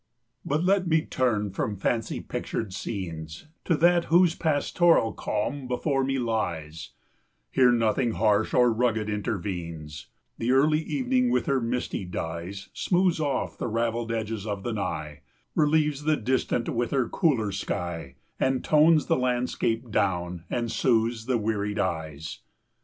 But let me turn from fancy pictured scenes To that whose pastoral calm before me lies: Here nothing harsh or rugged intervenes; The early evening with her misty dyes 200 Smooths off the ravelled edges of the nigh, Relieves the distant with her cooler sky, And tones the landscape down, and soothes the wearied eyes.